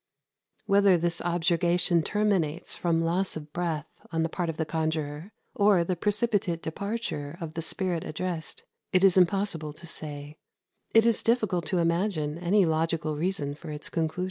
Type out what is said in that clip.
" Whether this objurgation terminates from loss of breath on the part of the conjurer, or the precipitate departure of the spirit addressed, it is impossible to say; it is difficult to imagine any logical reason for its conclusion.